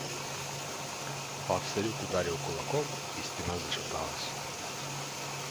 Басаврюк ударил кулаком, и стена зашаталась.